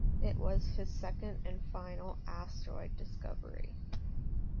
It was his second and final asteroid discovery.